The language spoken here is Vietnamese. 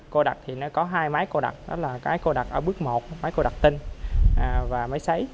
cô đặc thì nó có hai máy cô đặc đó là cái cô đặc ở bước một máy cô đặc tinh và máy xấy